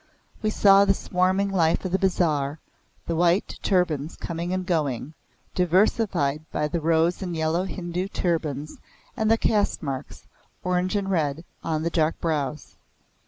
We saw the swarming life of the bazaar, the white turbans coming and going, diversified by the rose and yellow Hindu turbans, and the caste marks, orange and red, on the dark brows.